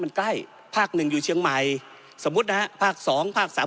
มันใกล้ภาคหนึ่งอยู่เชียงใหม่สมมุตินะฮะภาคสองภาคสาม